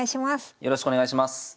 よろしくお願いします。